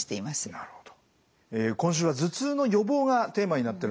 なるほど。